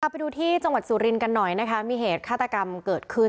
ไปดูที่จังหวัดสุรินทร์กันหน่อยนะคะมีเหตุฆาตกรรมเกิดขึ้น